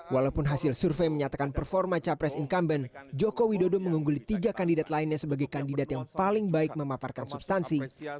walaupun hasil survei menyatakan performa capres incumbent jokowi dodo mengungguli tiga kandidat lainnya sebagai kandidat yang paling baik memaparkan substansi